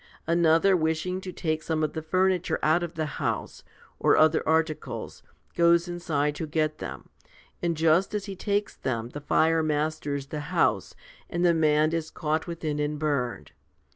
Another, wishing to take some of the furniture out of the house, or other articles, goes inside to get them, and just as he takes them, the fire masters the house, and the man is caught within and burned.